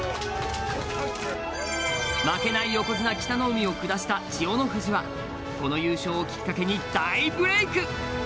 負けない横綱北の湖を下した千代の富士はこの優勝をきっかけに大ブレーク。